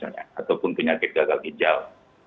atau penyakit gagal ginjal